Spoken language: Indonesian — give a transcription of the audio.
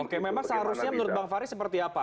oke memang seharusnya menurut bang fahri seperti apa